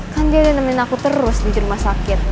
kan daddy nemenin aku terus di rumah sakit